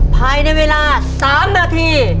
ภายในเวลา๓นาที